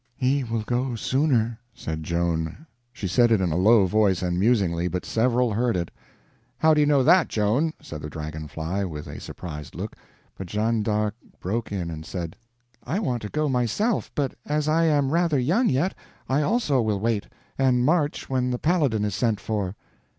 "He will go sooner," said Joan. She said it in a low voice and musingly, but several heard it. "How do you know that, Joan?" said the Dragon fly, with a surprised look. But Jean d'Arc broke in and said: "I want to go myself, but as I am rather young yet, I also will wait, and march when the Paladin is sent for."